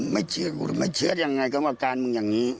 ไม่เชื่อกูไม่เชื่ออย่างไรกันว่าการมึงอย่างนี้